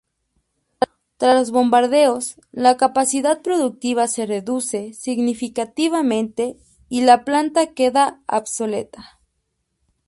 Tras los bombardeos la capacidad productiva se reduce significativamente y la planta queda obsoleta.